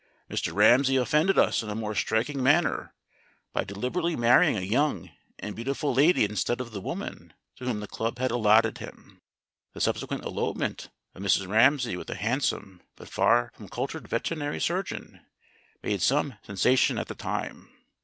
Mr. Ramsey offended us in a more striking manner by deliberately marrying a young and beautiful lady instead of the woman to whom the club had allotted him. The subsequent elopement of Mrs. Ramsey with a handsome but far from cultured veterinary surgeon made some sensa tion at the time.